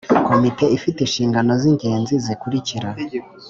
Komite ifite inshingano z ingenzi zikurikira